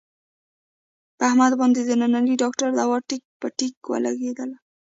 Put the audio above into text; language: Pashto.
په احمد باندې د ننني ډاکټر دوا ټیک په ټیک ولږېدله.